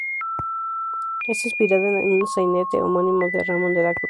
Está inspirada en un sainete homónimo de Ramón de la Cruz.